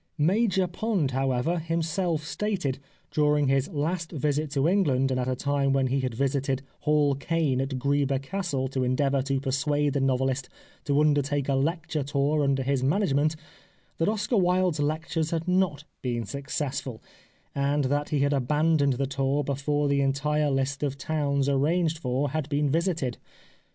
Major Pond, however, himself stated, during his last visit to England and at a time when he had visited Hall Caine at Greeba Castle to endeavour to persuade the novelist to undertake a lecture tour under his manage ment, that Oscar Wilde's lectures had not been successful, and that he had abandoned the tour before the entire list of towns arranged for had been visited.